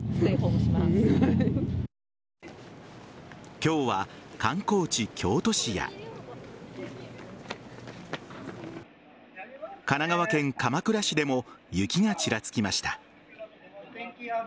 今日は観光地・京都市や神奈川県鎌倉市でも雪がちらつきました。